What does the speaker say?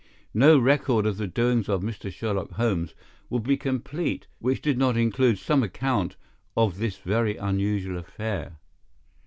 No record of the doings of Mr. Sherlock Holmes would be complete which did not include some account of this very unusual affair.